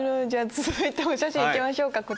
続いてお写真いきましょうか。